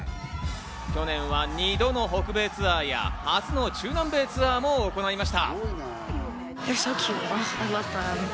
去年は２度の北米ツアーや、初の中南米ツアーも行いました。